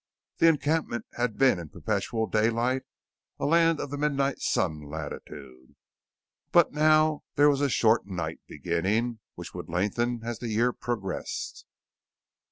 The encampment had been in perpetual daylight, a 'Land of the Midnight Sun' latitude. But now there was a short night beginning, which would lengthen as the year progressed.